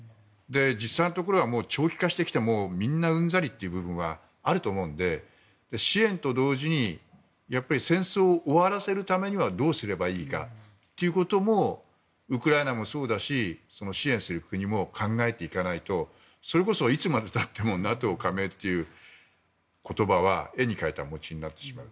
実際のところは長期化してきてみんなうんざりという部分はあると思うので、支援と同時にやっぱり戦争を終わらせるためにはどうすればいいかということもウクライナもそうだし支援する国も考えていかないとそれこそ、いつまでたってもＮＡＴＯ加盟という言葉は絵に描いた餅になってしまう。